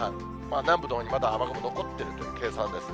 南部のほうにまだ雨雲残っている計算ですね。